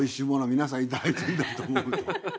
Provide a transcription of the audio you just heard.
皆さんいただいてんだと思うと。